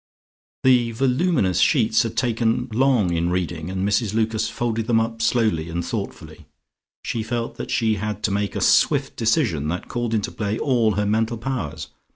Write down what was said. The voluminous sheets had taken long in reading and Mrs Lucas folded them up slowly and thoughtfully. She felt that she had to make a swift decision that called into play all her mental powers.